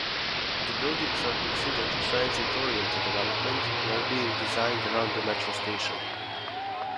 The buildings are considered transit-oriented development, and are being designed around the metro station.